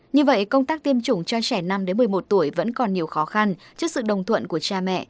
như vậy công tác tiêm chủng cho trẻ năm một mươi một tuổi vẫn còn nhiều khó khăn trước sự đồng thuận của cha mẹ